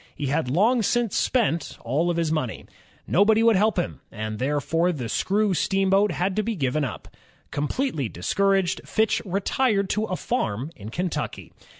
He had long since spent all his own money. Nobody would help him, and therefore the screw steamboat had to be given up. Completely discouraged, Fitch retired to a farm in Kentucky.